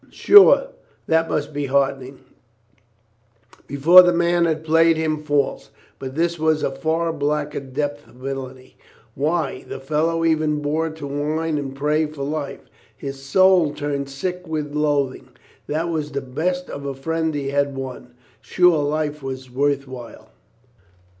Sure, that must be heartening. Before the man had played him false, but this was a far blacker depth of villainy. Why, the fellow even bore to whine and pray for life. His soul turned sick with loathing. That, that was the best of a friend he had won. Sure, life was worth while!